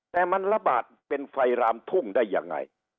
แต่มันระบาดเป็นไฟรามทุ่งได้ยังไง